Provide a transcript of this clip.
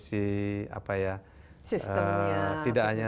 sistemnya tidak hanya